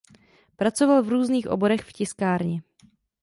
Pracoval v různých oborech v tiskárně.